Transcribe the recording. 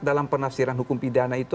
dalam penafsiran hukum pidana itu